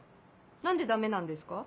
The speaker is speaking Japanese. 何でダメなんですか？